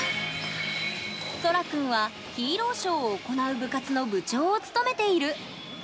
そら君はヒーローショーを行う部活の部長を務めている。